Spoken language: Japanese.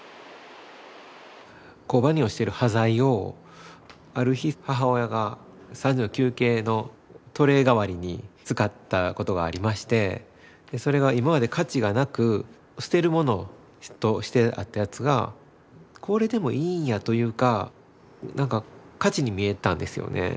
工場に落ちてる端材をある日母親が３時の休憩のトレー代わりに使ったことがありましてそれが今まで価値がなく捨てるものとしてあったやつがこれでもいいんやというか何か価値に見えたんですよね。